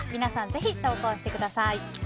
ぜひ投稿してください。